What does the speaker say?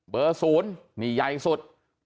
เบอร์๐นี่ใหญ่สุด